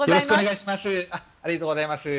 ありがとうございます。